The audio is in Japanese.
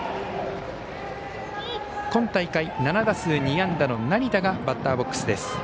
今大会、７打数２安打の成田がバッターボックスです。